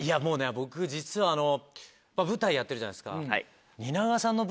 僕実はあの舞台やってるじゃないですか。